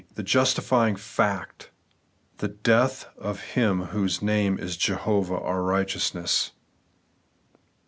The justifying fact ;— ^The death of Him whose name is Jehovah our righteousness.